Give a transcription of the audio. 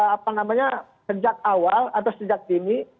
apa namanya sejak awal atau sejak dini